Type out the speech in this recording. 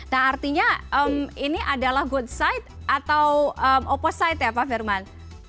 nah artinya ini adalah good side atau opposite ya pak firman